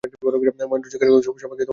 মহেন্দ্র জিজ্ঞাসা করিল, সবাইকে কেমন দেখিলে?